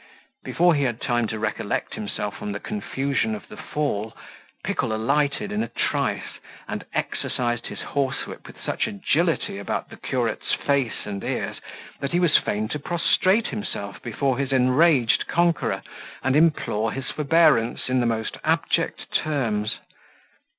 Before he had time to recollect himself from the confusion of the fall, Pickle alighted in a trice, and exercised his horsewhip with such agility about the curate's face and ears, that he was fain to prostrate himself before his enraged conqueror, and implore his forbearance in the most abject terms.